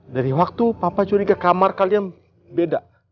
dari waktu papa curiga kamar kalian beda